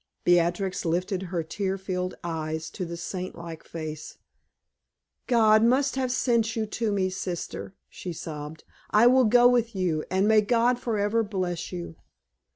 Beatrix lifted her tear filled eyes to the saint like face. "God must have sent you to me, sister," she sobbed. "I will go with you, and may God forever bless you!"